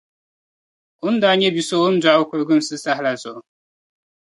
o ni daa nyɛ o ni dɔɣi bi so o kuriginsim saha la zuɣu.